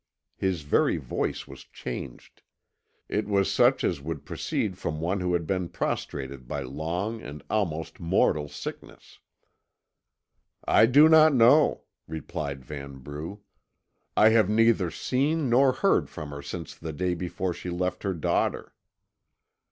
His very voice was changed. It was such as would proceed from one who had been prostrated by long and almost mortal sickness. "I do not know," replied Vanbrugh. "I have neither seen nor heard from her since the day before she left her daughter."